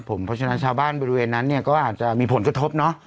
เพราะฉะนั้นชาวบ้านบริเวณนั้นเนี่ยก็อาจจะมีผลกระทบเนอะ